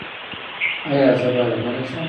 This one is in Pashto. ایا زه باید غلی شم؟